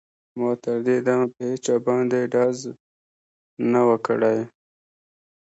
ما تر دې دمه په هېچا باندې ډز نه و کړی